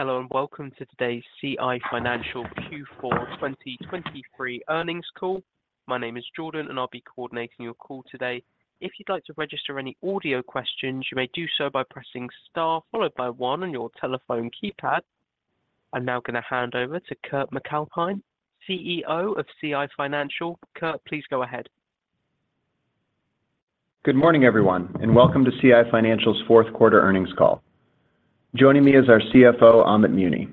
Hello and welcome to today's CI Financial Q4 2023 earnings call. My name is Jordan and I'll be coordinating your call today. If you'd like to register any audio questions, you may do so by pressing star followed by one on your telephone keypad. I'm now going to hand over to Kurt MacAlpine, CEO of CI Financial. Kurt, please go ahead. Good morning everyone and welcome to CI Financial's fourth quarter earnings call. Joining me is our CFO Amit Muni.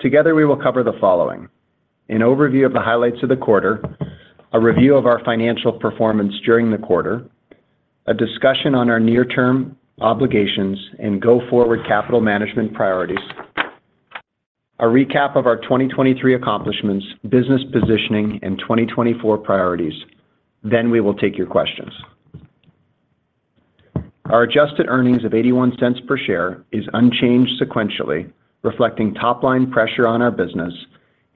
Together we will cover the following: an overview of the highlights of the quarter, a review of our financial performance during the quarter, a discussion on our near-term obligations and go-forward capital management priorities, a recap of our 2023 accomplishments, business positioning, and 2024 priorities. Then we will take your questions. Our adjusted earnings of 0.81 per share is unchanged sequentially, reflecting top-line pressure on our business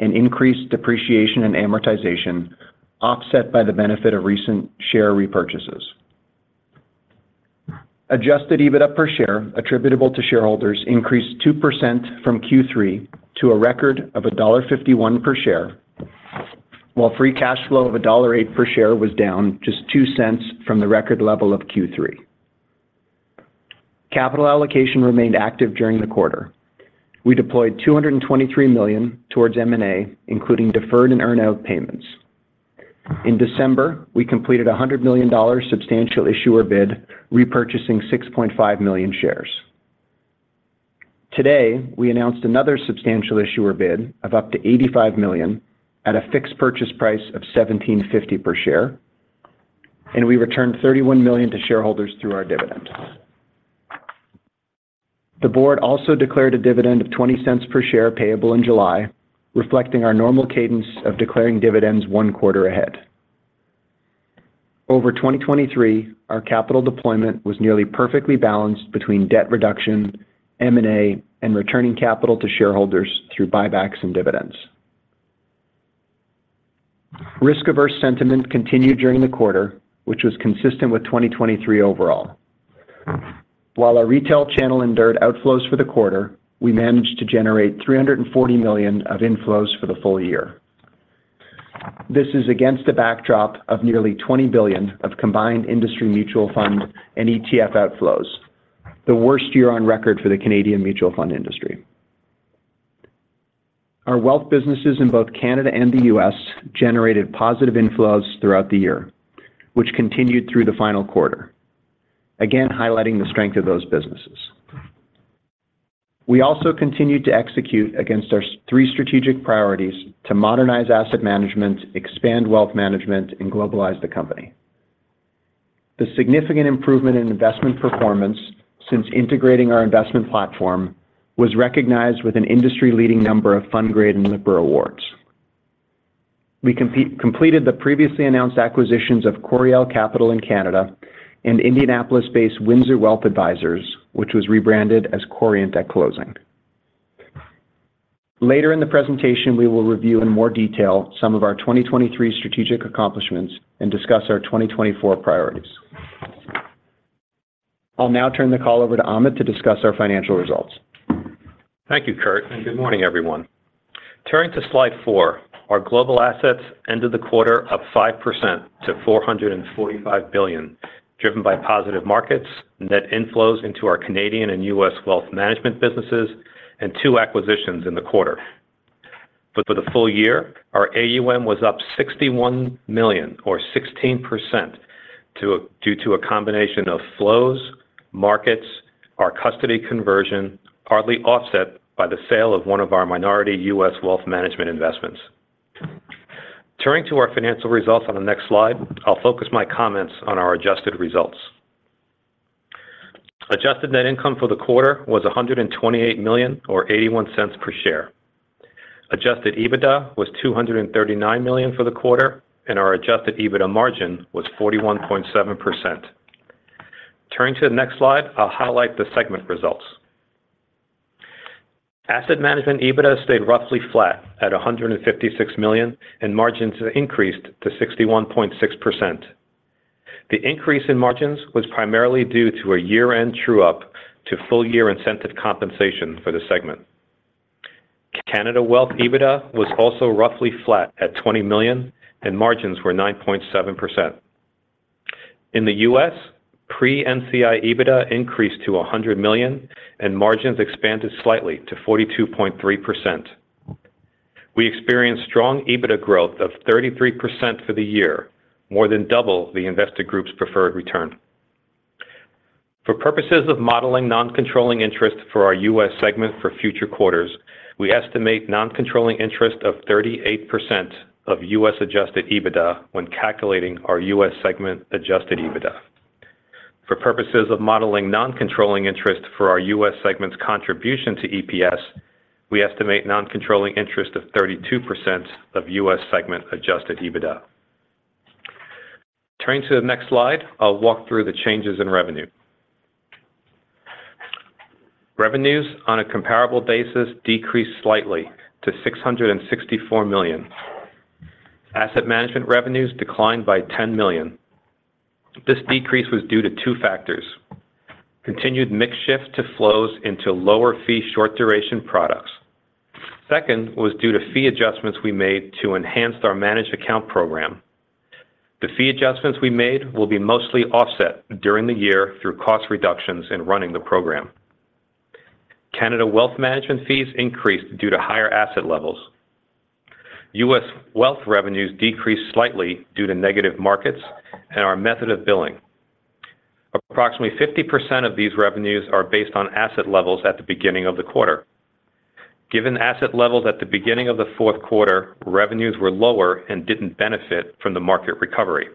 and increased depreciation and amortization offset by the benefit of recent share repurchases. Adjusted EBITDA per share attributable to shareholders increased 2% from Q3 to a record of dollar 1.51 per share, while free cash flow of dollar 1.08 per share was down just 0.02 from the record level of Q3. Capital allocation remained active during the quarter. We deployed 223 million towards M&A, including deferred and earned-out payments. In December, we completed a 100 million dollars substantial issuer bid repurchasing 6.5 million shares. Today, we announced another substantial issuer bid of up to 85 million at a fixed purchase price of 17.50 per share, and we returned 31 million to shareholders through our dividend. The board also declared a dividend of 0.20 per share payable in July, reflecting our normal cadence of declaring dividends one quarter ahead. Over 2023, our capital deployment was nearly perfectly balanced between debt reduction, M&A, and returning capital to shareholders through buybacks and dividends. Risk-averse sentiment continued during the quarter, which was consistent with 2023 overall. While our retail channel endured outflows for the quarter, we managed to generate 340 million of inflows for the full year. This is against a backdrop of nearly 20 billion of combined industry mutual fund and ETF outflows, the worst year on record for the Canadian mutual fund industry. Our wealth businesses in both Canada and the U.S. generated positive inflows throughout the year, which continued through the final quarter, again highlighting the strength of those businesses. We also continued to execute against our three strategic priorities to modernize asset management, expand wealth management, and globalize the company. The significant improvement in investment performance since integrating our investment platform was recognized with an industry-leading number of FundGrade and Lipper awards. We completed the previously announced acquisitions of Coriel Capital in Canada and Indianapolis-based Windsor Wealth Advisors, which was rebranded as Corient at closing. Later in the presentation, we will review in more detail some of our 2023 strategic accomplishments and discuss our 2024 priorities. I'll now turn the call over to Amit to discuss our financial results. Thank you, Kurt, and good morning everyone. Turning to slide four, our global assets ended the quarter up 5% to 445 billion, driven by positive markets, net inflows into our Canadian and U.S. wealth management businesses, and two acquisitions in the quarter. But for the full year, our AUM was up 61 million or 16% due to a combination of flows, markets, our custody conversion, partly offset by the sale of one of our minority U.S. wealth management investments. Turning to our financial results on the next slide, I'll focus my comments on our adjusted results. Adjusted net income for the quarter was 128 million or 0.81 per share. Adjusted EBITDA was 239 million for the quarter, and our Adjusted EBITDA margin was 41.7%. Turning to the next slide, I'll highlight the segment results. Asset management EBITDA stayed roughly flat at 156 million, and margins increased to 61.6%. The increase in margins was primarily due to a year-end true-up to full-year incentive compensation for the segment. Canada wealth EBITDA was also roughly flat at 20 million, and margins were 9.7%. In the U.S., pre-NCI EBITDA increased to 100 million, and margins expanded slightly to 42.3%. We experienced strong EBITDA growth of 33% for the year, more than double the investor group's preferred return. For purposes of modeling non-controlling interest for our U.S. segment for future quarters, we estimate non-controlling interest of 38% of U.S. Adjusted EBITDA when calculating our U.S. segment Adjusted EBITDA. For purposes of modeling non-controlling interest for our U.S. segment's contribution to EPS, we estimate non-controlling interest of 32% of U.S. segment Adjusted EBITDA. Turning to the next slide, I'll walk through the changes in revenue. Revenues, on a comparable basis, decreased slightly to 664 million. Asset management revenues declined by 10 million. This decrease was due to two factors: continued mixed shift to flows into lower-fee short-duration products. Second was due to fee adjustments we made to enhance our managed account program. The fee adjustments we made will be mostly offset during the year through cost reductions in running the program. Canada wealth management fees increased due to higher asset levels. US wealth revenues decreased slightly due to negative markets and our method of billing. Approximately 50% of these revenues are based on asset levels at the beginning of the quarter. Given asset levels at the beginning of the fourth quarter, revenues were lower and didn't benefit from the market recovery.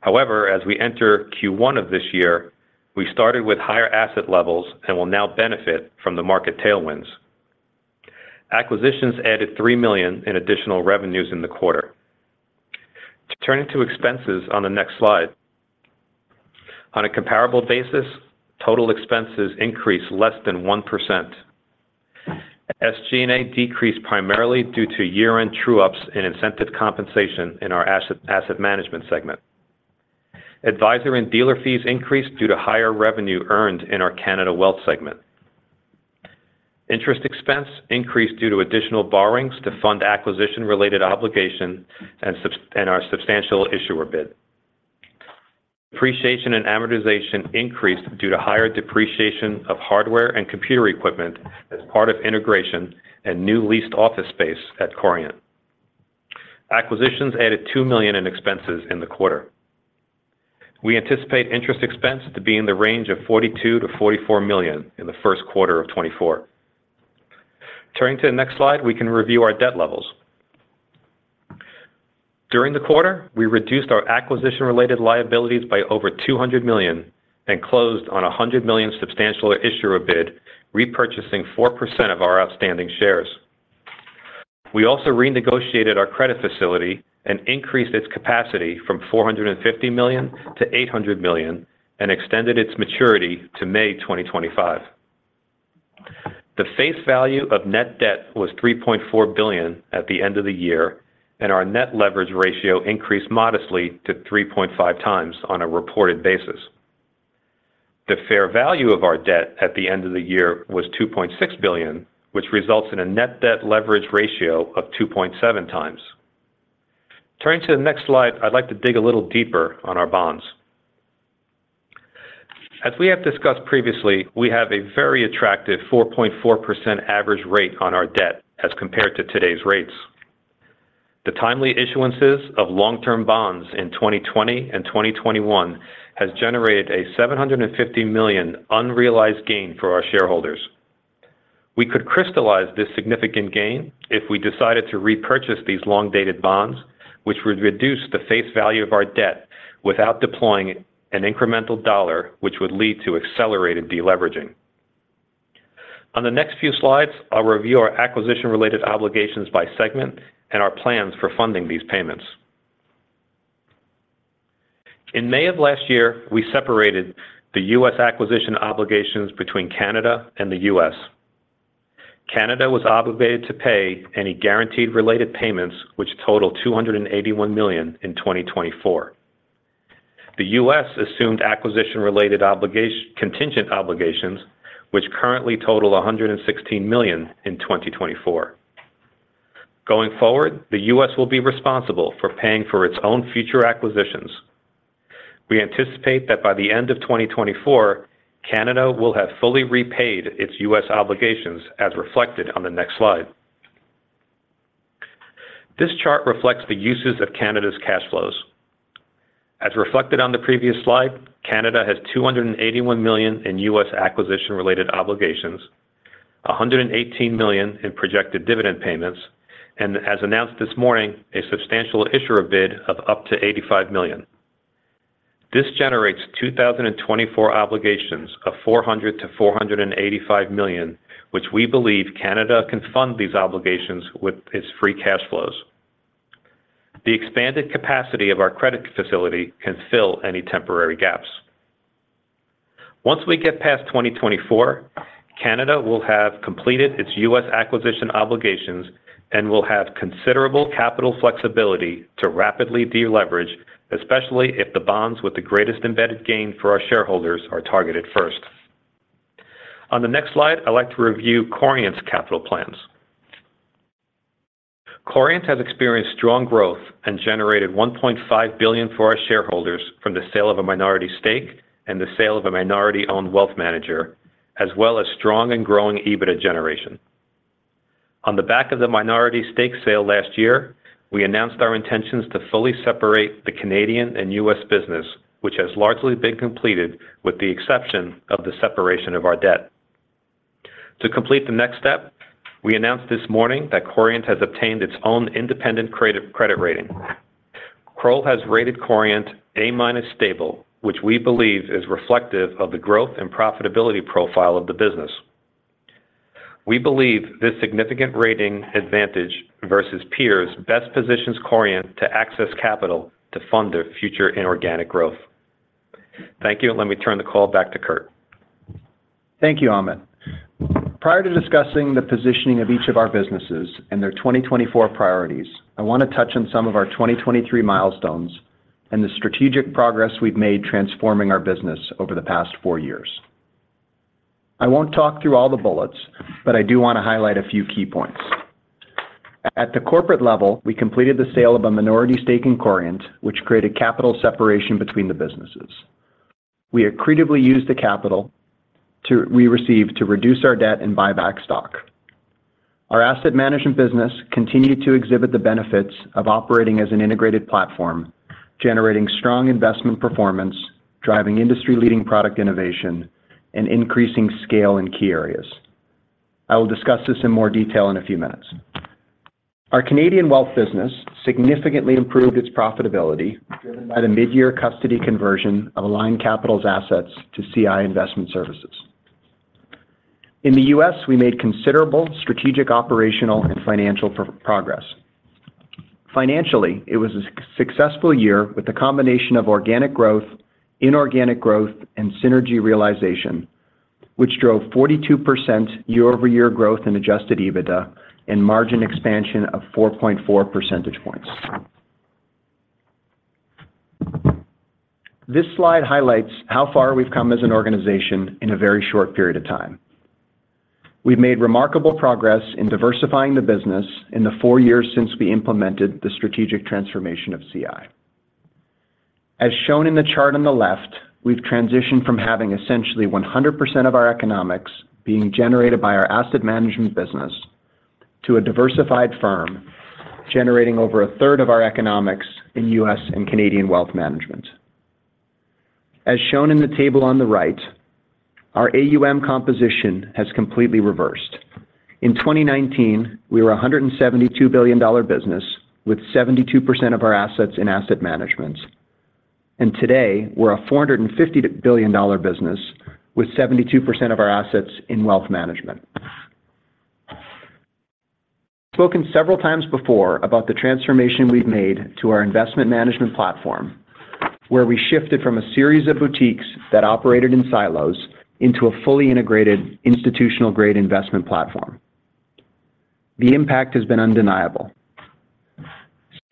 However, as we enter Q1 of this year, we started with higher asset levels and will now benefit from the market tailwinds. Acquisitions added $3 million in additional revenues in the quarter. Turning to expenses on the next slide, on a comparable basis, total expenses increased less than 1%. SG&A decreased primarily due to year-end true-ups in incentive compensation in our asset management segment. Advisor and dealer fees increased due to higher revenue earned in our Canada wealth segment. Interest expense increased due to additional borrowings to fund acquisition-related obligation and our substantial issuer bid. Depreciation and amortization increased due to higher depreciation of hardware and computer equipment as part of integration and new leased office space at Corient. Acquisitions added 2 million in expenses in the quarter. We anticipate interest expense to be in the range of 42 million-44 million in the first quarter of 2024. Turning to the next slide, we can review our debt levels. During the quarter, we reduced our acquisition-related liabilities by over 200 million and closed on a 100 million Substantial Issuer Bid repurchasing 4% of our outstanding shares. We also renegotiated our credit facility and increased its capacity from 450 million to 800 million and extended its maturity to May 2025. The face value of net debt was 3.4 billion at the end of the year, and our net leverage ratio increased modestly to 3.5x on a reported basis. The fair value of our debt at the end of the year was 2.6 billion, which results in a net debt leverage ratio of 2.7x. Turning to the next slide, I'd like to dig a little deeper on our bonds. As we have discussed previously, we have a very attractive 4.4% average rate on our debt as compared to today's rates. The timely issuances of long-term bonds in 2020 and 2021 have generated a 750 million unrealized gain for our shareholders. We could crystallize this significant gain if we decided to repurchase these long-dated bonds, which would reduce the face value of our debt without deploying an incremental dollar, which would lead to accelerated deleveraging. On the next few slides, I'll review our acquisition-related obligations by segment and our plans for funding these payments. In May of last year, we separated the U.S. acquisition obligations between Canada and the U.S. Canada was obligated to pay any guaranteed-related payments, which totaled 281 million in 2024. The U.S. assumed acquisition-related contingent obligations, which currently total 116 million in 2024. Going forward, the U.S. will be responsible for paying for its own future acquisitions. We anticipate that by the end of 2024, CI will have fully repaid its U.S. obligations, as reflected on the next slide. This chart reflects the uses of CI's cash flows. As reflected on the previous slide, CI has $281 million in U.S. acquisition-related obligations, $118 million in projected dividend payments, and, as announced this morning, a substantial issuer bid of up to $85 million. This generates 2024 obligations of $400 million-$485 million, which we believe CI can fund these obligations with its free cash flows. The expanded capacity of our credit facility can fill any temporary gaps. Once we get past 2024, CI will have completed its U.S. acquisition obligations and will have considerable capital flexibility to rapidly deleverage, especially if the bonds with the greatest embedded gain for our shareholders are targeted first. On the next slide, I'd like to review Corient's capital plans. Corient has experienced strong growth and generated $1.5 billion for our shareholders from the sale of a minority stake and the sale of a minority-owned wealth manager, as well as strong and growing EBITDA generation. On the back of the minority stake sale last year, we announced our intentions to fully separate the Canadian and U.S. business, which has largely been completed with the exception of the separation of our debt. To complete the next step, we announced this morning that Corient has obtained its own independent credit rating. Kroll has rated Corient A- stable, which we believe is reflective of the growth and profitability profile of the business. We believe this significant rating advantage versus peers best positions Corient to access capital to fund their future inorganic growth. Thank you, and let me turn the call back to Kurt. Thank you, Amit. Prior to discussing the positioning of each of our businesses and their 2024 priorities, I want to touch on some of our 2023 milestones and the strategic progress we've made transforming our business over the past four years. I won't talk through all the bullets, but I do want to highlight a few key points. At the corporate level, we completed the sale of a minority stake in Corient, which created capital separation between the businesses. We accretively used the capital we received to reduce our debt and buyback stock. Our asset management business continued to exhibit the benefits of operating as an integrated platform, generating strong investment performance, driving industry-leading product innovation, and increasing scale in key areas. I will discuss this in more detail in a few minutes. Our Canadian wealth business significantly improved its profitability, driven by the midyear custody conversion of Aligned Capital's assets to CI Investment Services. In the U.S., we made considerable strategic operational and financial progress. Financially, it was a successful year with a combination of organic growth, inorganic growth, and synergy realization, which drove 42% year-over-year growth in Adjusted EBITDA and margin expansion of 4.4 percentage points. This slide highlights how far we've come as an organization in a very short period of time. We've made remarkable progress in diversifying the business in the four years since we implemented the strategic transformation of CI. As shown in the chart on the left, we've transitioned from having essentially 100% of our economics being generated by our asset management business to a diversified firm generating over a third of our economics in U.S. and Canadian wealth management. As shown in the table on the right, our AUM composition has completely reversed. In 2019, we were a 172 billion dollar business with 72% of our assets in asset management, and today, we're a 450 billion dollar business with 72% of our assets in wealth management. I've spoken several times before about the transformation we've made to our investment management platform, where we shifted from a series of boutiques that operated in silos into a fully integrated institutional-grade investment platform. The impact has been undeniable.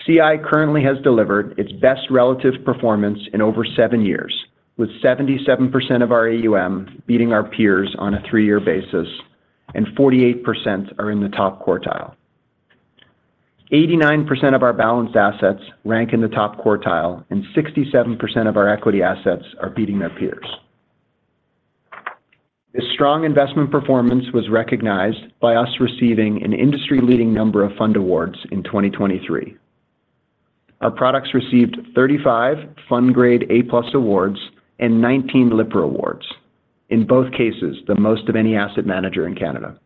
CI currently has delivered its best relative performance in over seven years, with 77% of our AUM beating our peers on a three-year basis, and 48% are in the top quartile. 89% of our balanced assets rank in the top quartile, and 67% of our equity assets are beating their peers. This strong investment performance was recognized by us receiving an industry-leading number of fund awards in 2023. Our products received 35 FundGrade A+ awards and 19 Lipper awards, in both cases the most of any asset manager in Canada.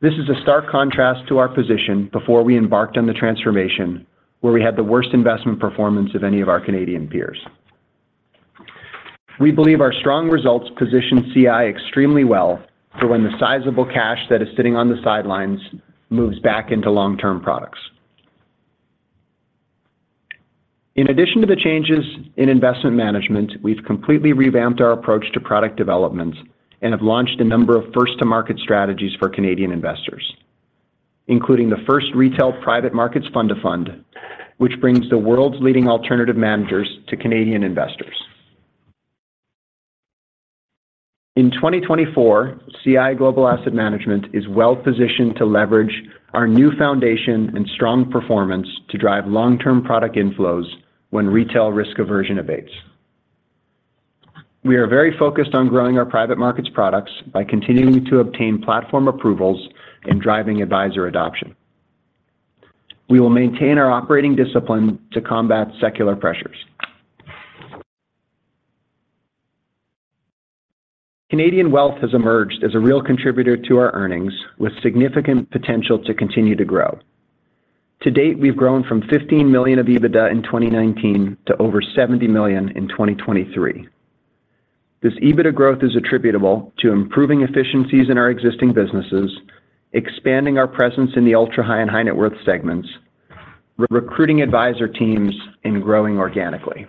This is a stark contrast to our position before we embarked on the transformation, where we had the worst investment performance of any of our Canadian peers. We believe our strong results position CI extremely well for when the sizable cash that is sitting on the sidelines moves back into long-term products. In addition to the changes in investment management, we've completely revamped our approach to product development and have launched a number of first-to-market strategies for Canadian investors, including the first retail private markets fund-of-funds, which brings the world's leading alternative managers to Canadian investors. In 2024, CI Global Asset Management is well-positioned to leverage our new foundation and strong performance to drive long-term product inflows when retail risk aversion abates. We are very focused on growing our private markets products by continuing to obtain platform approvals and driving advisor adoption. We will maintain our operating discipline to combat secular pressures. Canadian wealth has emerged as a real contributor to our earnings, with significant potential to continue to grow. To date, we've grown from 15 million of EBITDA in 2019 to over 70 million in 2023. This EBITDA growth is attributable to improving efficiencies in our existing businesses, expanding our presence in the ultra-high and high-net-worth segments, recruiting advisor teams, and growing organically.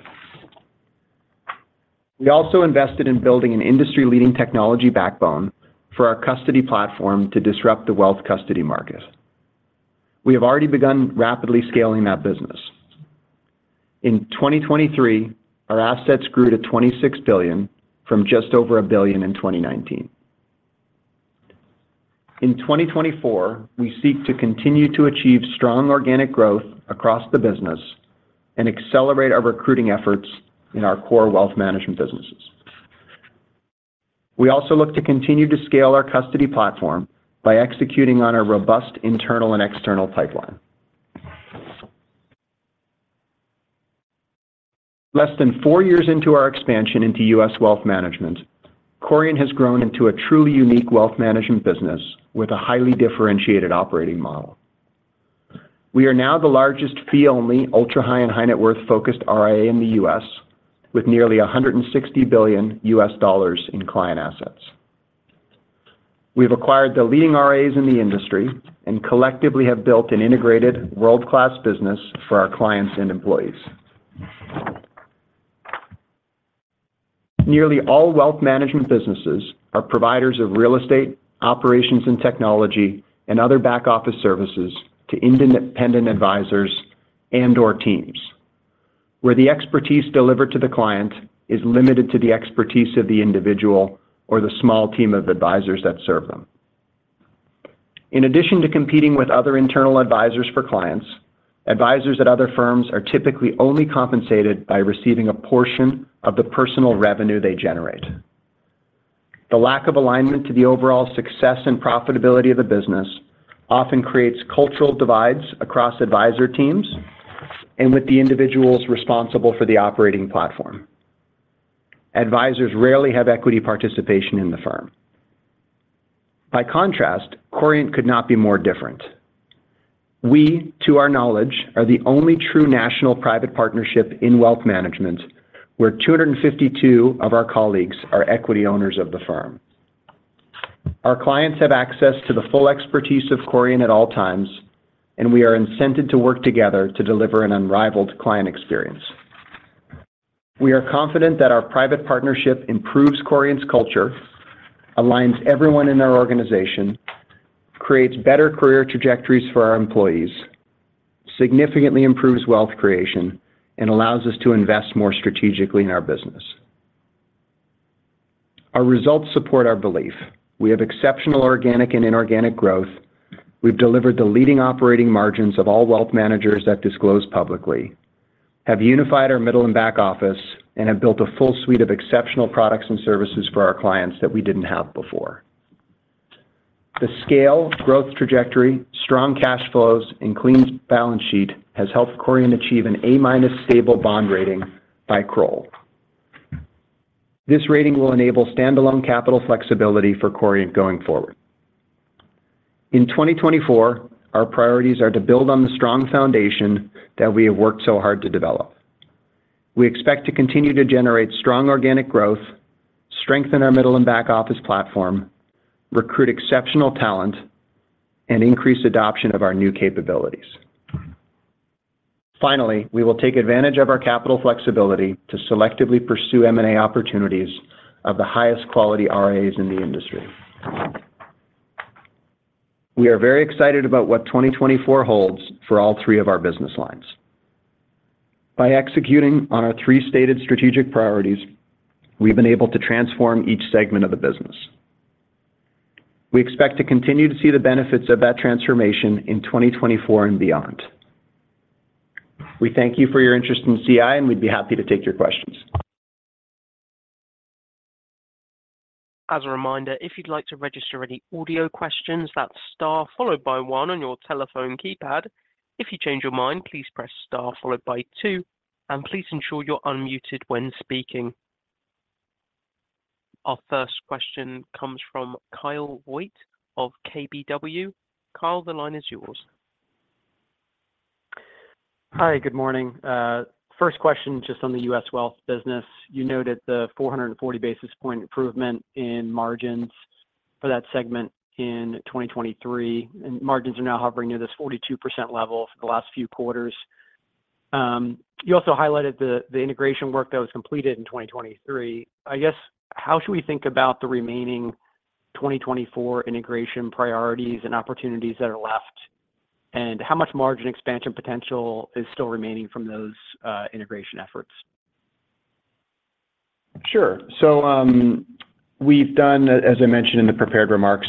We also invested in building an industry-leading technology backbone for our custody platform to disrupt the wealth custody market. We have already begun rapidly scaling that business. In 2023, our assets grew to $26 billion from just over $1 billion in 2019. In 2024, we seek to continue to achieve strong organic growth across the business and accelerate our recruiting efforts in our core wealth management businesses. We also look to continue to scale our custody platform by executing on our robust internal and external pipeline. Less than four years into our expansion into U.S. wealth management, Corient has grown into a truly unique wealth management business with a highly differentiated operating model. We are now the largest fee-only ultra-high and high-net-worth-focused RIA in the U.S., with nearly $160 billion in client assets. We've acquired the leading RIAs in the industry and collectively have built an integrated, world-class business for our clients and employees. Nearly all wealth management businesses are providers of real estate, operations and technology, and other back-office services to independent advisors and/or teams, where the expertise delivered to the client is limited to the expertise of the individual or the small team of advisors that serve them. In addition to competing with other internal advisors for clients, advisors at other firms are typically only compensated by receiving a portion of the personal revenue they generate. The lack of alignment to the overall success and profitability of the business often creates cultural divides across advisor teams and with the individuals responsible for the operating platform. Advisors rarely have equity participation in the firm. By contrast, Corient could not be more different. We, to our knowledge, are the only true national private partnership in wealth management where 252 of our colleagues are equity owners of the firm. Our clients have access to the full expertise of Corient at all times, and we are incented to work together to deliver an unrivaled client experience. We are confident that our private partnership improves Corient's culture, aligns everyone in our organization, creates better career trajectories for our employees, significantly improves wealth creation, and allows us to invest more strategically in our business. Our results support our belief. We have exceptional organic and inorganic growth. We've delivered the leading operating margins of all wealth managers that disclose publicly, have unified our middle and back office, and have built a full suite of exceptional products and services for our clients that we didn't have before. The scale, growth trajectory, strong cash flows, and clean balance sheet has helped Corient achieve an A- stable bond rating by Kroll. This rating will enable standalone capital flexibility for Corient going forward. In 2024, our priorities are to build on the strong foundation that we have worked so hard to develop. We expect to continue to generate strong organic growth, strengthen our middle and back office platform, recruit exceptional talent, and increase adoption of our new capabilities. Finally, we will take advantage of our capital flexibility to selectively pursue M&A opportunities of the highest quality RIAs in the industry. We are very excited about what 2024 holds for all three of our business lines. By executing on our three stated strategic priorities, we've been able to transform each segment of the business. We expect to continue to see the benefits of that transformation in 2024 and beyond. We thank you for your interest in CI, and we'd be happy to take your questions. As a reminder, if you'd like to register any audio questions, that's "Star," followed by one on your telephone keypad. If you change your mind, please press "Star," followed by "Two," and please ensure you're unmuted when speaking. Our first question comes from Kyle Voigt of KBW. Kyle, the line is yours. Hi, good morning. First question just on the U.S. wealth business. You noted the 440 basis points improvement in margins for that segment in 2023, and margins are now hovering near this 42% level for the last few quarters. You also highlighted the integration work that was completed in 2023. I guess, how should we think about the remaining 2024 integration priorities and opportunities that are left, and how much margin expansion potential is still remaining from those integration efforts? Sure. So we've done, as I mentioned in the prepared remarks,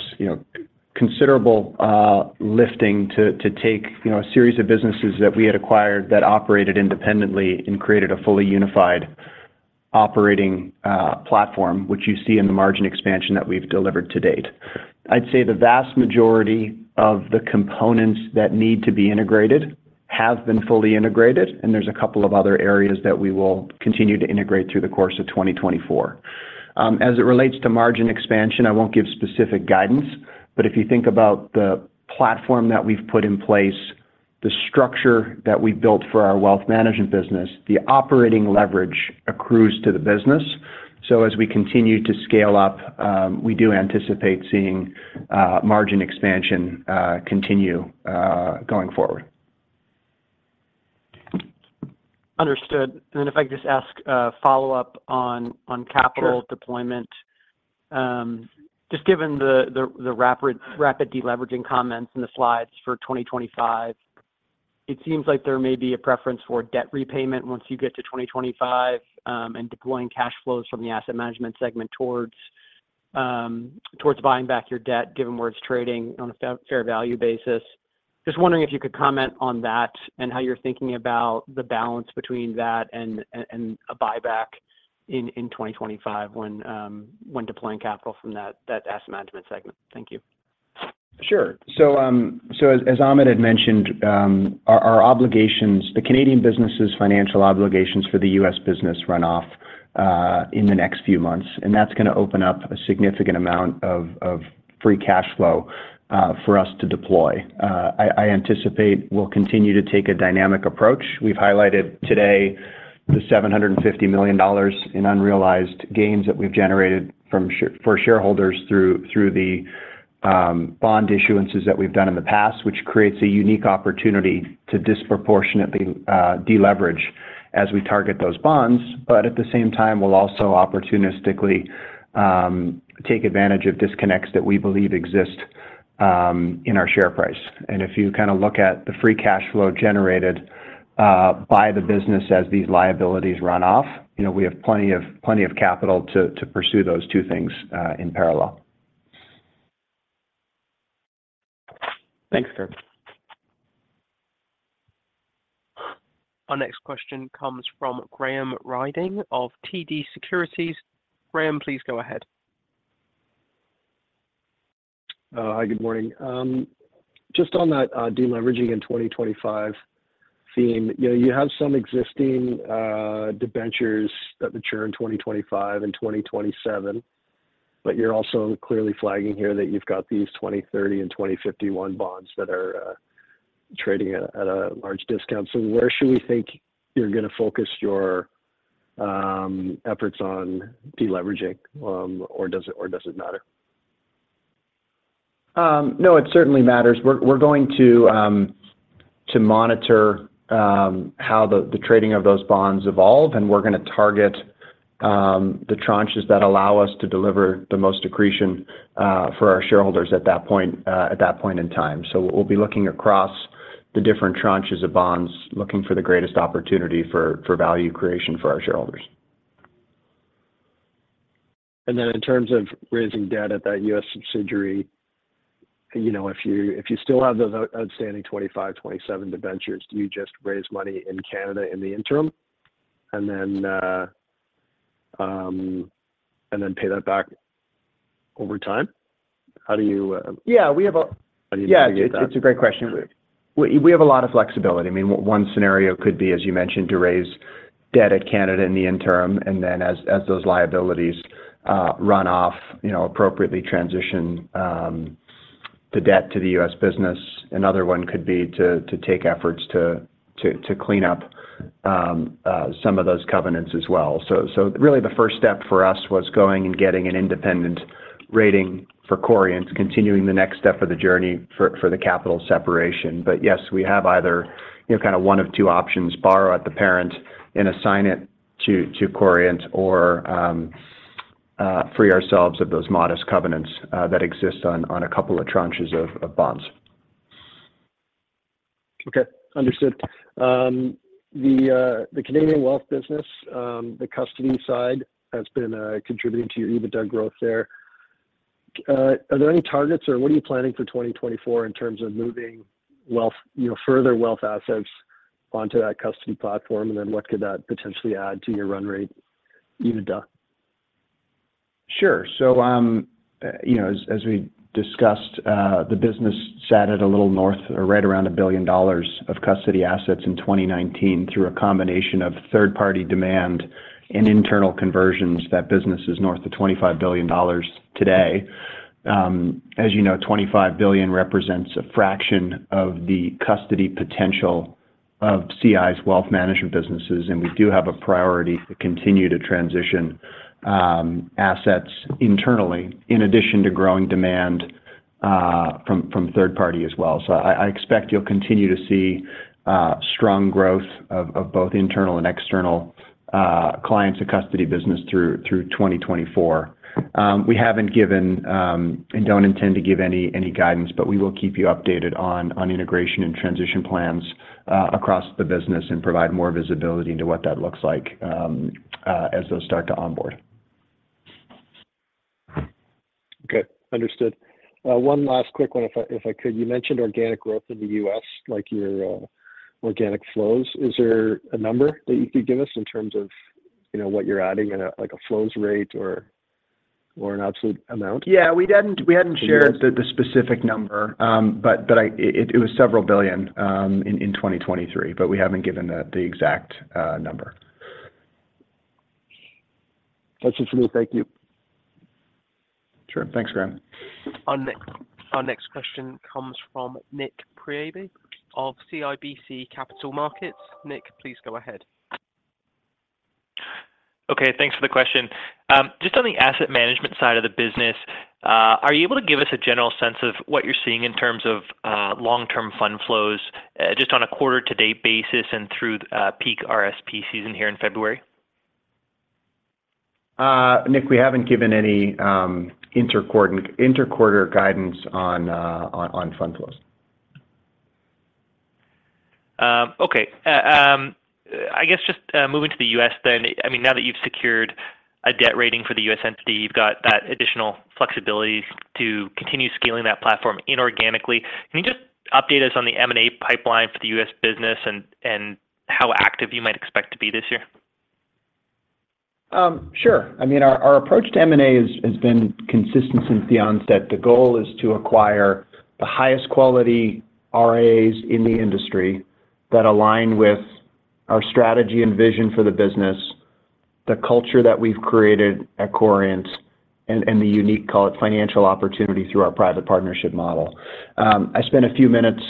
considerable lifting to take a series of businesses that we had acquired that operated independently and created a fully unified operating platform, which you see in the margin expansion that we've delivered to date. I'd say the vast majority of the components that need to be integrated have been fully integrated, and there's a couple of other areas that we will continue to integrate through the course of 2024. As it relates to margin expansion, I won't give specific guidance, but if you think about the platform that we've put in place, the structure that we've built for our wealth management business, the operating leverage accrues to the business. So as we continue to scale up, we do anticipate seeing margin expansion continue going forward. Understood. And then if I could just ask a follow-up on capital deployment. Just given the rapid deleveraging comments in the slides for 2025, it seems like there may be a preference for debt repayment once you get to 2025 and deploying cash flows from the asset management segment towards buying back your debt, given where it's trading on a fair value basis. Just wondering if you could comment on that and how you're thinking about the balance between that and a buyback in 2025 when deploying capital from that asset management segment? Thank you. Sure. So as Amit had mentioned, our obligations, the Canadian business's financial obligations for the U.S. business, run off in the next few months, and that's going to open up a significant amount of free cash flow for us to deploy. I anticipate we'll continue to take a dynamic approach. We've highlighted today the $750 million in unrealized gains that we've generated for shareholders through the bond issuances that we've done in the past, which creates a unique opportunity to disproportionately deleverage as we target those bonds. But at the same time, we'll also opportunistically take advantage of disconnects that we believe exist in our share price. And if you kind of look at the free cash flow generated by the business as these liabilities run off, we have plenty of capital to pursue those two things in parallel. Thanks, Kirk. Our next question comes from Graham Ryding of TD Securities. Graham, please go ahead. Hi, good morning. Just on that deleveraging in 2025 theme, you have some existing debentures that mature in 2025 and 2027, but you're also clearly flagging here that you've got these 2030 and 2051 bonds that are trading at a large discount. So where should we think you're going to focus your efforts on deleveraging, or does it matter? No, it certainly matters. We're going to monitor how the trading of those bonds evolve, and we're going to target the tranches that allow us to deliver the most accretion for our shareholders at that point in time. So we'll be looking across the different tranches of bonds, looking for the greatest opportunity for value creation for our shareholders. And then in terms of raising debt at that U.S. subsidiary, if you still have those outstanding 25, 27 debentures, do you just raise money in Canada in the interim and then pay that back over time? How do you? Yeah, we have a. How do you navigate that? Yeah, it's a great question. We have a lot of flexibility. I mean, one scenario could be, as you mentioned, to raise debt at Canada in the interim, and then as those liabilities run off, appropriately transition the debt to the U.S. business. Another one could be to take efforts to clean up some of those covenants as well. So really, the first step for us was going and getting an independent rating for Corient, continuing the next step of the journey for the capital separation. But yes, we have either kind of one of two options: borrow at the parent and assign it to Corient, or free ourselves of those modest covenants that exist on a couple of tranches of bonds. Okay, understood. The Canadian wealth business, the custody side, has been contributing to your EBITDA growth there. Are there any targets, or what are you planning for 2024 in terms of moving further wealth assets onto that custody platform, and then what could that potentially add to your run rate EBITDA? Sure. As we discussed, the business sat at a little north or right around 1 billion dollars of custody assets in 2019 through a combination of third-party demand and internal conversions. That business is north of 25 billion dollars today. As you know, 25 billion represents a fraction of the custody potential of CI's wealth management businesses, and we do have a priority to continue to transition assets internally in addition to growing demand from third-party as well. I expect you'll continue to see strong growth of both internal and external clients' custody business through 2024. We haven't given and don't intend to give any guidance, but we will keep you updated on integration and transition plans across the business and provide more visibility into what that looks like as those start to onboard. Okay, understood. One last quick one, if I could. You mentioned organic growth in the U.S., like your organic flows. Is there a number that you could give us in terms of what you're adding, like a flows rate or an absolute amount? Yeah, we hadn't shared the specific number, but it was several billion CAD in 2023, but we haven't given the exact number. That's it for me. Thank you. Sure. Thanks, Graham. Our next question comes from Nik Priebe of CIBC Capital Markets. Nick, please go ahead. Okay, thanks for the question. Just on the asset management side of the business, are you able to give us a general sense of what you're seeing in terms of long-term fund flows just on a quarter-to-date basis and through peak RSP season here in February? Nick, we haven't given any interquarter guidance on fund flows. Okay. I guess just moving to the U.S. then, I mean, now that you've secured a debt rating for the U.S. entity, you've got that additional flexibility to continue scaling that platform inorganically. Can you just update us on the M&A pipeline for the U.S. business and how active you might expect to be this year? Sure. I mean, our approach to M&A has been consistent since the onset. The goal is to acquire the highest quality RIAs in the industry that align with our strategy and vision for the business, the culture that we've created at Corient, and the unique, call it, financial opportunity through our private partnership model. I spent a few minutes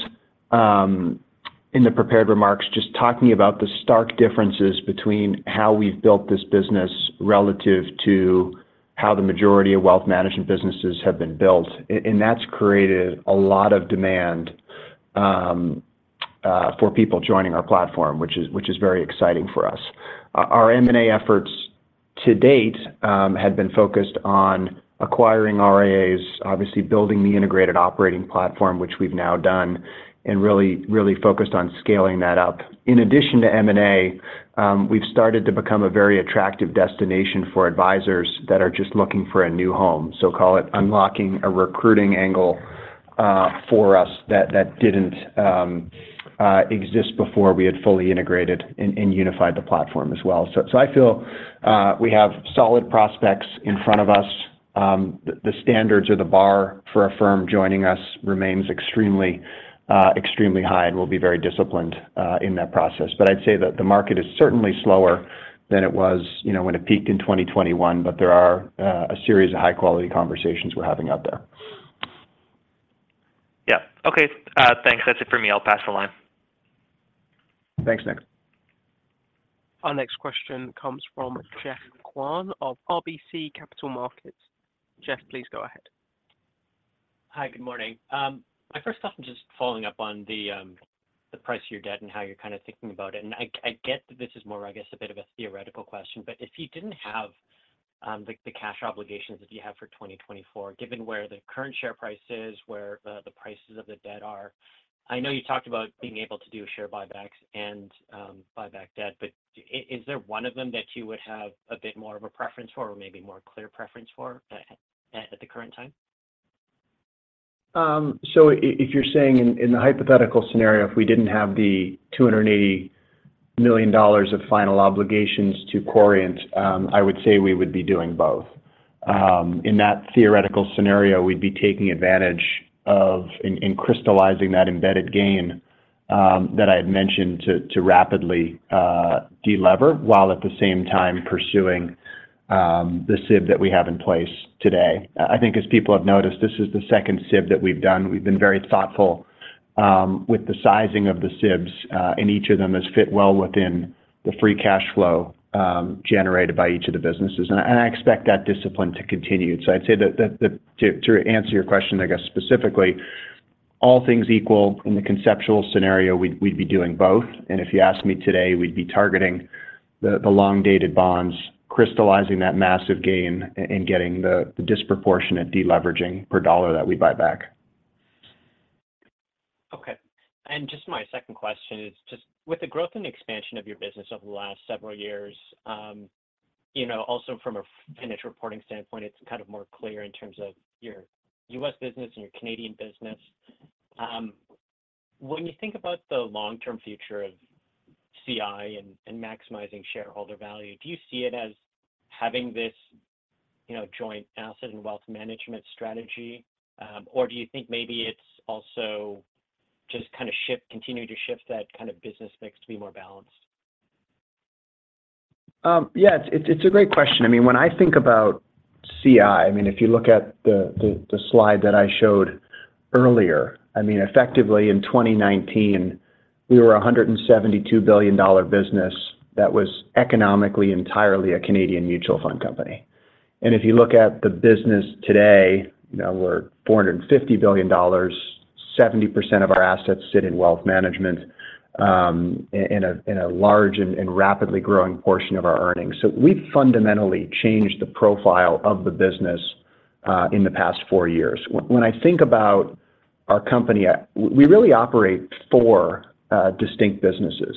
in the prepared remarks just talking about the stark differences between how we've built this business relative to how the majority of wealth management businesses have been built, and that's created a lot of demand for people joining our platform, which is very exciting for us. Our M&A efforts to date had been focused on acquiring RIAs, obviously building the integrated operating platform, which we've now done, and really focused on scaling that up. In addition to M&A, we've started to become a very attractive destination for advisors that are just looking for a new home. So call it unlocking a recruiting angle for us that didn't exist before we had fully integrated and unified the platform as well. So I feel we have solid prospects in front of us. The standards or the bar for a firm joining us remains extremely high, and we'll be very disciplined in that process. But I'd say that the market is certainly slower than it was when it peaked in 2021, but there are a series of high-quality conversations we're having out there. Yeah. Okay, thanks. That's it for me. I'll pass the line. Thanks, Nick. Our next question comes from Geoff Kwan of RBC Capital Markets. Geoff, please go ahead. Hi, good morning. My first question is just following up on the price of your debt and how you're kind of thinking about it. I get that this is more, I guess, a bit of a theoretical question, but if you didn't have the cash obligations that you have for 2024, given where the current share price is, where the prices of the debt are, I know you talked about being able to do share buybacks and buyback debt, but is there one of them that you would have a bit more of a preference for or maybe more clear preference for at the current time? So if you're saying in the hypothetical scenario, if we didn't have the $280 million of final obligations to Corient, I would say we would be doing both. In that theoretical scenario, we'd be taking advantage of and crystallizing that embedded gain that I had mentioned to rapidly delever while at the same time pursuing the SIB that we have in place today. I think as people have noticed, this is the second SIB that we've done. We've been very thoughtful with the sizing of the SIBs, and each of them has fit well within the free cash flow generated by each of the businesses. And I expect that discipline to continue. So I'd say that to answer your question, I guess specifically, all things equal, in the conceptual scenario, we'd be doing both. If you asked me today, we'd be targeting the long-dated bonds, crystallizing that massive gain, and getting the disproportionate deleveraging per dollar that we buy back. Okay. And just my second question is just with the growth and expansion of your business over the last several years, also from a financial reporting standpoint, it's kind of more clear in terms of your U.S. business and your Canadian business. When you think about the long-term future of CI and maximizing shareholder value, do you see it as having this joint asset and wealth management strategy, or do you think maybe it's also just kind of continue to shift that kind of business mix to be more balanced? Yeah, it's a great question. I mean, when I think about CI, I mean, if you look at the slide that I showed earlier, I mean, effectively, in 2019, we were a 172 billion dollar business that was economically entirely a Canadian mutual fund company. And if you look at the business today, we're 450 billion dollars. 70% of our assets sit in wealth management in a large and rapidly growing portion of our earnings. So we've fundamentally changed the profile of the business in the past four years. When I think about our company, we really operate four distinct businesses.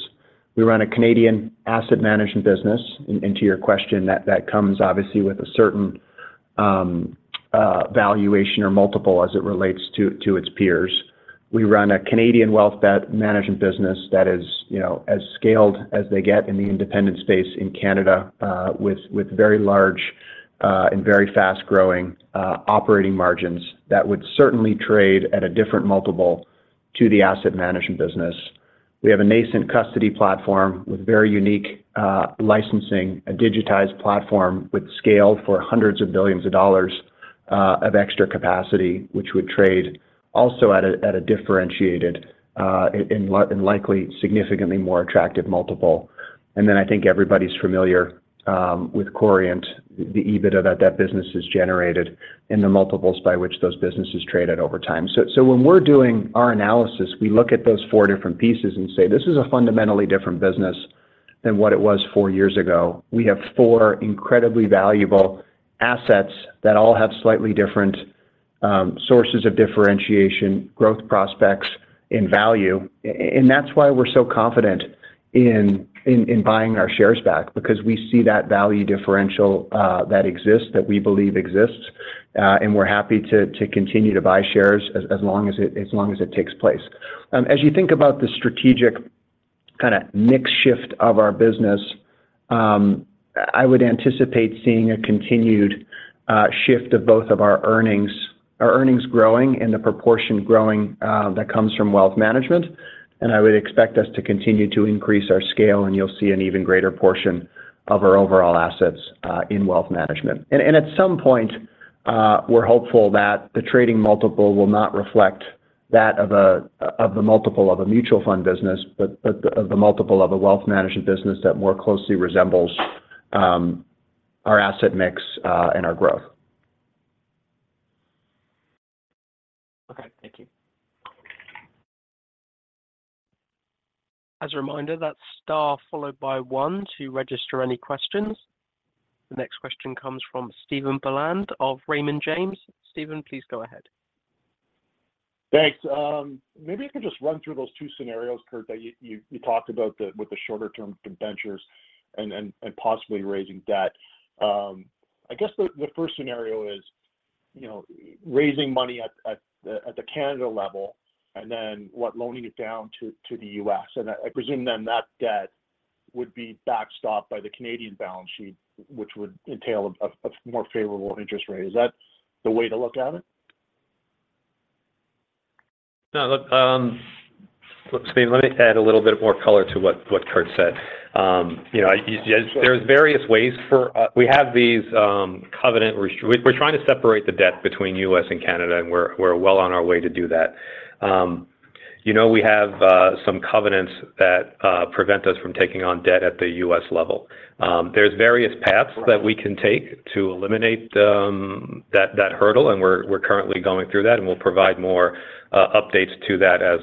We run a Canadian asset management business, and to your question, that comes obviously with a certain valuation or multiple as it relates to its peers. We run a Canadian wealth management business that is as scaled as they get in the independent space in Canada with very large and very fast-growing operating margins that would certainly trade at a different multiple to the asset management business. We have a nascent custody platform with very unique licensing, a digitized platform with scale for hundreds of billions CAD of extra capacity, which would trade also at a differentiated and likely significantly more attractive multiple. And then I think everybody's familiar with Corient, the EBITDA that that business has generated and the multiples by which those businesses traded over time. So when we're doing our analysis, we look at those four different pieces and say, "This is a fundamentally different business than what it was four years ago." We have four incredibly valuable assets that all have slightly different sources of differentiation, growth prospects, and value. That's why we're so confident in buying our shares back because we see that value differential that exists that we believe exists, and we're happy to continue to buy shares as long as it takes place. As you think about the strategic kind of mix shift of our business, I would anticipate seeing a continued shift of both of our earnings growing and the proportion growing that comes from wealth management. I would expect us to continue to increase our scale, and you'll see an even greater portion of our overall assets in wealth management. At some point, we're hopeful that the trading multiple will not reflect that of the multiple of a mutual fund business, but the multiple of a wealth management business that more closely resembles our asset mix and our growth. Okay, thank you. As a reminder, that's star followed by one to register any questions. The next question comes from Stephen Boland of Raymond James. Stephen, please go ahead. Thanks. Maybe I could just run through those two scenarios, Kurt, that you talked about with the shorter-term ventures and possibly raising debt. I guess the first scenario is raising money at the Canada level and then loaning it down to the U.S. I presume then that debt would be backstopped by the Canadian balance sheet, which would entail a more favorable interest rate. Is that the way to look at it? No, look, Stephen, let me add a little bit more color to what Kurt said. There's various ways for we have these covenant we're trying to separate the debt between U.S. and Canada, and we're well on our way to do that. We have some covenants that prevent us from taking on debt at the U.S. level. There's various paths that we can take to eliminate that hurdle, and we're currently going through that, and we'll provide more updates to that as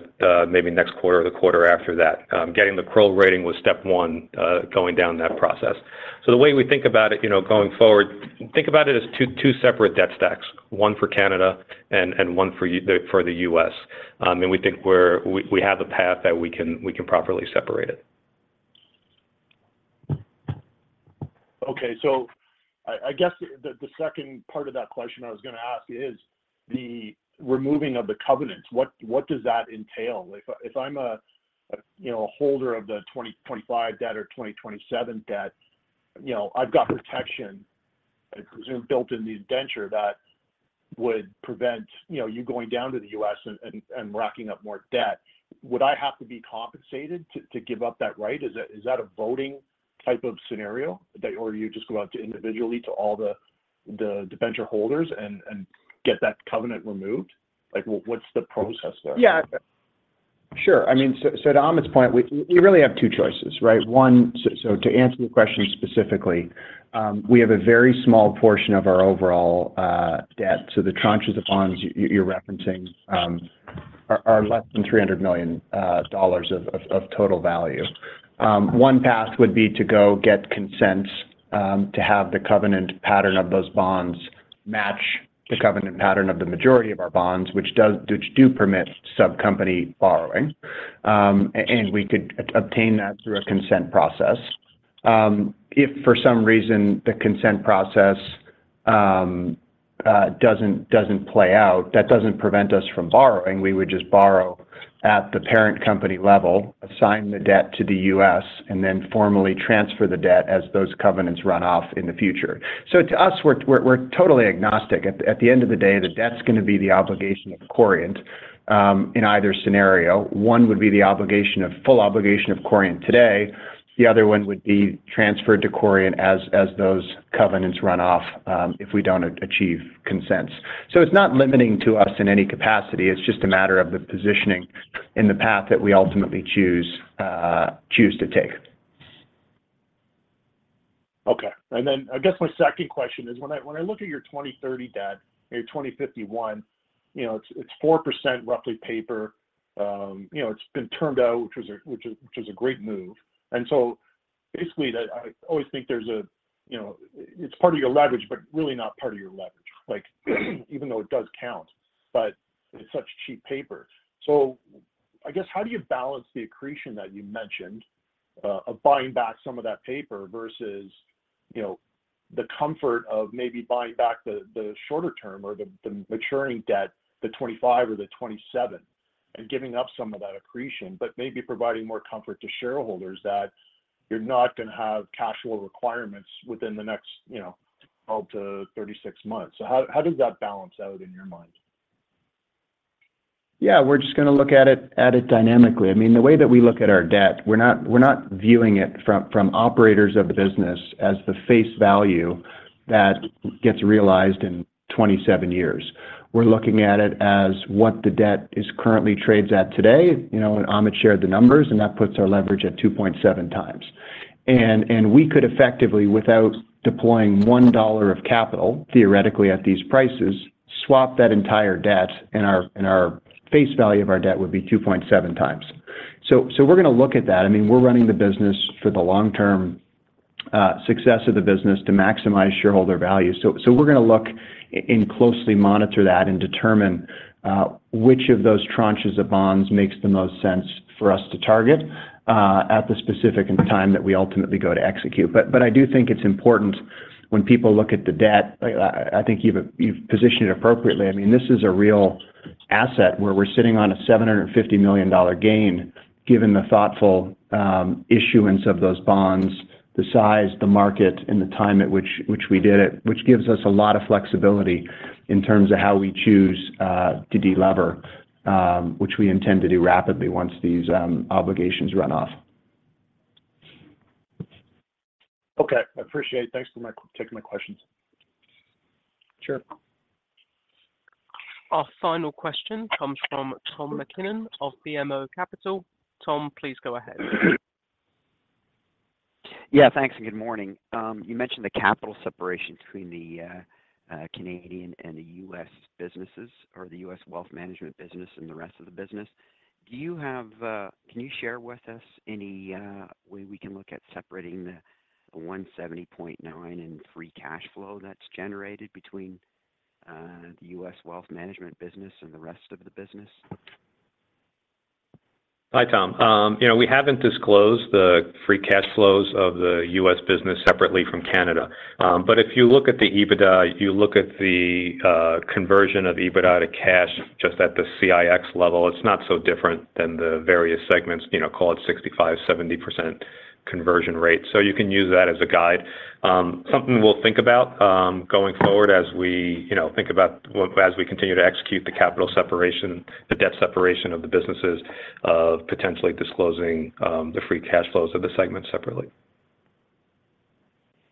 maybe next quarter or the quarter after that. Getting the credit rating was step one going down that process. So the way we think about it going forward, think about it as two separate debt stacks, one for Canada and one for the U.S. And we think we have a path that we can properly separate it. Okay. So I guess the second part of that question I was going to ask is the removing of the covenants. What does that entail? If I'm a holder of the 2025 debt or 2027 debt, I've got protection, I presume, built in the indenture that would prevent you going down to the U.S. and racking up more debt. Would I have to be compensated to give up that right? Is that a voting type of scenario, or do you just go out individually to all the indenture holders and get that covenant removed? What's the process there? Yeah, sure. I mean, so to Amit's point, we really have two choices, right? One, so to answer your question specifically, we have a very small portion of our overall debt. So the tranches of bonds you're referencing are less than $300 million of total value. One path would be to go get consent to have the covenant pattern of those bonds match the covenant pattern of the majority of our bonds, which do permit subcompany borrowing. And we could obtain that through a consent process. If for some reason the consent process doesn't play out, that doesn't prevent us from borrowing. We would just borrow at the parent company level, assign the debt to the U.S., and then formally transfer the debt as those covenants run off in the future. So to us, we're totally agnostic. At the end of the day, the debt's going to be the obligation of Corient in either scenario. One would be the full obligation of Corient today. The other one would be transferred to Corient as those covenants run off if we don't achieve consents. So it's not limiting to us in any capacity. It's just a matter of the positioning in the path that we ultimately choose to take. Okay. And then I guess my second question is when I look at your 2030 debt and your 2051, it's 4% roughly paper. It's been termed out, which is a great move. And so basically, I always think there's a it's part of your leverage, but really not part of your leverage, even though it does count. But it's such cheap paper. So I guess how do you balance the accretion that you mentioned of buying back some of that paper versus the comfort of maybe buying back the shorter term or the maturing debt, the 2025 or the 2027, and giving up some of that accretion but maybe providing more comfort to shareholders that you're not going to have cash flow requirements within the next 12 to 36 months? So how does that balance out in your mind? Yeah, we're just going to look at it dynamically. I mean, the way that we look at our debt, we're not viewing it from operators of the business as the face value that gets realized in 27 years. We're looking at it as what the debt currently trades at today. Amit shared the numbers, and that puts our leverage at 2.7x. We could effectively, without deploying $1 of capital theoretically at these prices, swap that entire debt, and our face value of our debt would be 2.7x. So we're going to look at that. I mean, we're running the business for the long-term success of the business to maximize shareholder value. So we're going to look and closely monitor that and determine which of those tranches of bonds makes the most sense for us to target at the specific time that we ultimately go to execute. I do think it's important when people look at the debt. I think you've positioned it appropriately. I mean, this is a real asset where we're sitting on a 750 million dollar gain given the thoughtful issuance of those bonds, the size, the market, and the time at which we did it, which gives us a lot of flexibility in terms of how we choose to delever, which we intend to do rapidly once these obligations run off. Okay. I appreciate it. Thanks for taking my questions. Sure. Our final question comes from Tom MacKinnon of BMO Capital. Tom, please go ahead. Yeah, thanks. Good morning. You mentioned the capital separation between the Canadian and the U.S. businesses or the U.S. wealth management business and the rest of the business. Can you share with us any way we can look at separating the 170.9 and free cash flow that's generated between the U.S. wealth management business and the rest of the business? Hi, Tom. We haven't disclosed the free cash flows of the US business separately from Canada. But if you look at the EBITDA, you look at the conversion of EBITDA to cash just at the CIX level, it's not so different than the various segments. Call it 65%-70% conversion rate. So you can use that as a guide. Something we'll think about going forward as we think about as we continue to execute the capital separation, the debt separation of the businesses, of potentially disclosing the free cash flows of the segments separately.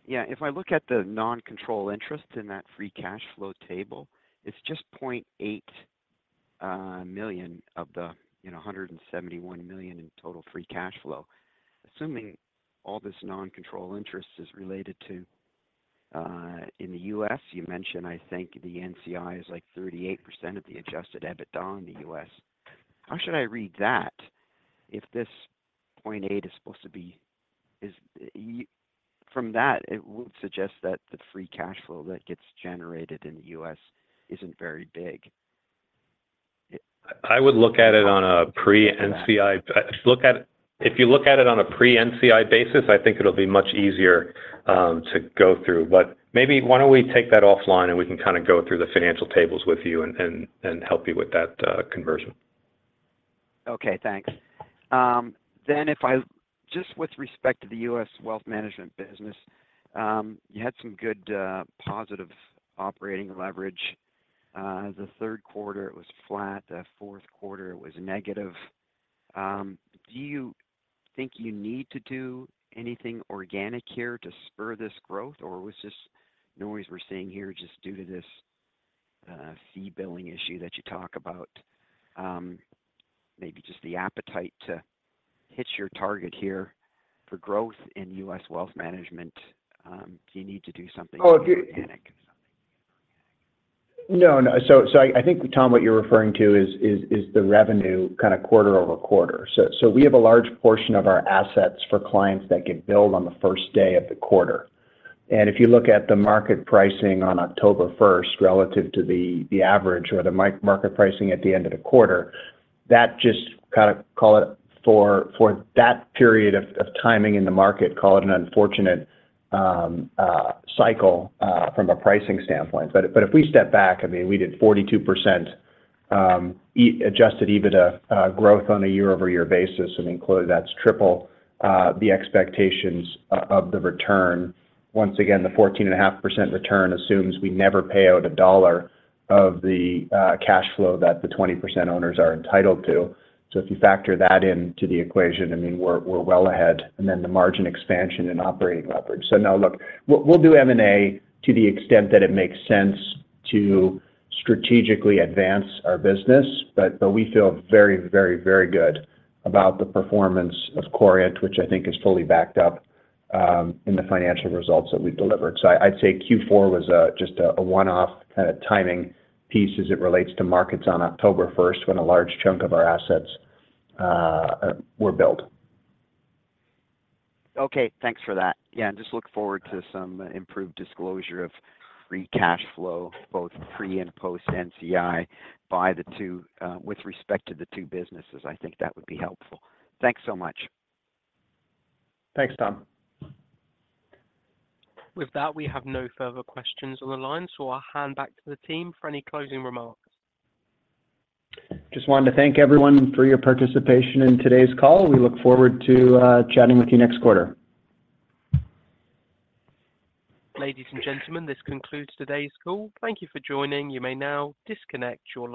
Yeah. If I look at the non-controlling interest in that free cash flow table, it's just 0.8 million of the 171 million in total free cash flow. Assuming all this non-controlling interest is related to in the U.S., you mentioned, I think, the NCI is like 38% of the Adjusted EBITDA in the U.S. How should I read that if this 0.8 is supposed to be from that, it would suggest that the free cash flow that gets generated in the U.S. isn't very big? I would look at it on a pre-NCI if you look at it on a pre-NCI basis, I think it'll be much easier to go through. But maybe why don't we take that offline, and we can kind of go through the financial tables with you and help you with that conversion? Okay, thanks. Then just with respect to the U.S. wealth management business, you had some good positive operating leverage. The third quarter, it was flat. The fourth quarter, it was negative. Do you think you need to do anything organic here to spur this growth, or was just noise we're seeing here just due to this fee billing issue that you talk about, maybe just the appetite to hit your target here for growth in U.S. wealth management? Do you need to do something organic? No, no. So I think, Tom, what you're referring to is the revenue kind of quarter-over-quarter. So we have a large portion of our assets for clients that can build on the first day of the quarter. And if you look at the market pricing on October 1st relative to the average or the market pricing at the end of the quarter, that just kind of call it for that period of timing in the market, call it an unfortunate cycle from a pricing standpoint. But if we step back, I mean, we did 42% Adjusted EBITDA growth on a year-over-year basis. And that's triple the expectations of the return. Once again, the 14.5% return assumes we never pay out a dollar of the cash flow that the 20% owners are entitled to. So if you factor that into the equation, I mean, we're well ahead. And then the margin expansion and operating leverage. So now, look, we'll do M&A to the extent that it makes sense to strategically advance our business. But we feel very, very, very good about the performance of Corient, which I think is fully backed up in the financial results that we've delivered. So I'd say Q4 was just a one-off kind of timing piece as it relates to markets on October 1st when a large chunk of our assets were built. Okay, thanks for that. Yeah, and just look forward to some improved disclosure of free cash flow, both pre and post-NCI, with respect to the two businesses. I think that would be helpful. Thanks so much. Thanks, Tom. With that, we have no further questions on the line. I'll hand back to the team for any closing remarks. Just wanted to thank everyone for your participation in today's call. We look forward to chatting with you next quarter. Ladies and gentlemen, this concludes today's call. Thank you for joining. You may now disconnect your.